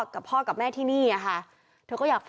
ขอบคุณครับ